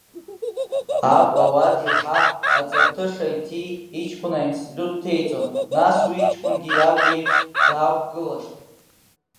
Аб, ауа дирҳа, аҵарҭыша иҭии, иҷкәын аинститут дҭеиҵоит, нас уи иҷкәынгьы иаб иеиԥш даақәгылашт.